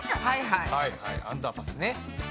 はいはいアンダーパスね。